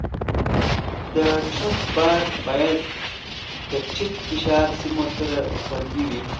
د ټرک بار باید د ټیټ فشار سیمو سره خوندي وي.